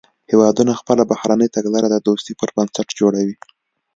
هیوادونه خپله بهرنۍ تګلاره د دوستۍ پر بنسټ جوړوي